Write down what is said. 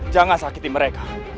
jangan sakiti mereka